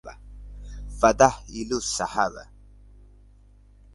ফাদ্বায়িলুস স্বাহাবা